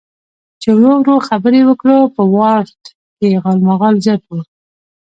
چې ورو ورو خبرې وکړو، په وارډ کې یې غالمغال زیات و.